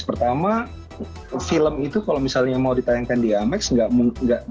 pertama film itu kalau misalnya mau ditayangkan di imax nggak ada prosesnya